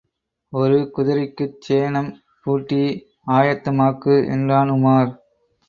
ஒரு குதிரைக்குச் சேணம் பூட்டி, ஆயத்தமாக்கு என்றான் உமார்.